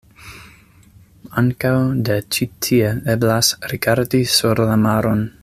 Ankaŭ de ĉi-tie eblas rigardi sur la maron.